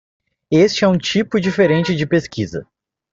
Este é um tipo diferente de pesquisa.